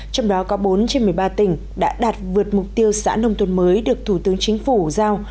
trong đó có bốn trên một mươi ba tỉnh đã đạt vượt mục tiêu xã nông thôn mới được thủ tướng chính phủ giao